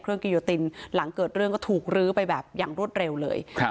กิโยตินหลังเกิดเรื่องก็ถูกลื้อไปแบบอย่างรวดเร็วเลยครับ